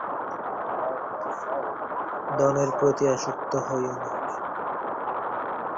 ধনের প্রতি আসক্ত হয়ো না।